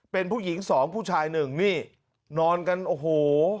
เป็นผู้หญิงสองผู้ชายหนึ่งนี่นอนกันโอ้โห